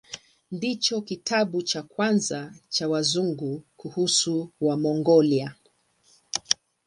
Ndicho kitabu cha kwanza cha Wazungu kuhusu Wamongolia.